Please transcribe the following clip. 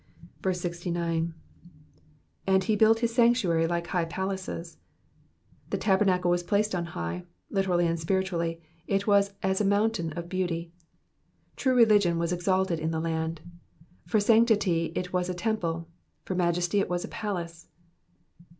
69. ^^And Tie built his sanctuary like high palaces.'*^ The tabernacle was placed on high, literally and spiritually it was a mountain of beauty. True religion was exalted in the land. For sanctity it was a temple, for majesty it was a palace.